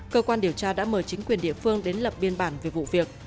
cơ quan điều tra đã mời chính quyền địa phương đến lập biên bản về vụ việc